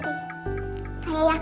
empat kaabup touch vahang